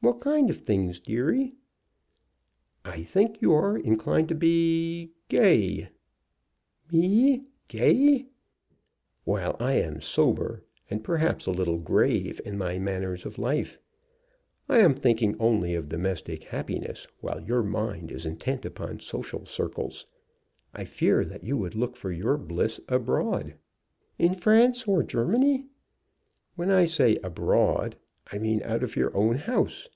"What kind of things, deary?" "I think you are inclined to be gay " "Me! gay!" "While I am sober, and perhaps a little grave in my manners of life. I am thinking only of domestic happiness, while your mind is intent upon social circles. I fear that you would look for your bliss abroad." "In France or Germany?" "When I say abroad, I mean out of your own house.